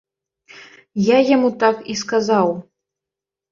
Я яму так і сказаў.